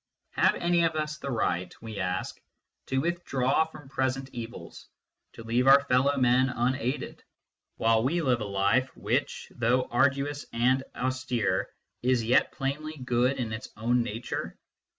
Have any of us the right, we ask, to withdraw from present evils, to leave our fellow men unaided, while we live a life which, though arduous and austere, is yet plainly good in its own nature